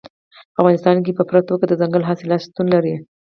په افغانستان کې په پوره توګه دځنګل حاصلات شتون لري.